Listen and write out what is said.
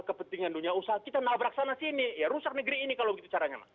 kepentingan dunia usaha kita nabrak sana sini ya rusak negeri ini kalau gitu caranya